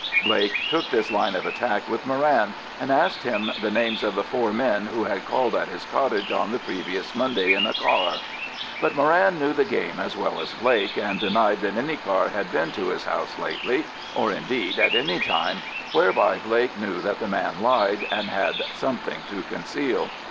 Blake took this line of attack with Moran, and asked him the names of the four men who had called at his cottage on the previous Monday in a car. But Moran knew the game as well as Blake, and denied that any car had been to his house lately, or indeed at any time, whereby Blake knew that the man lied, and had something to conceal.